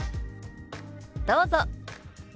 どうぞ。